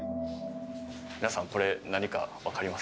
皆さんこれ何か分かりますか？